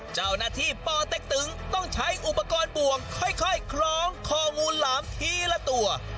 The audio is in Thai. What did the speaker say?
เจ้าหน้าที่ปเต็กตึงต้องใช้อุปกรณ์บ่วงค่อยคล้องคองูหลามทีละตัว